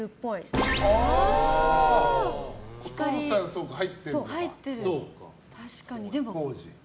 そうか、入ってるか。